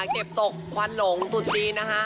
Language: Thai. เก็บตกคนโหลงตุทจีน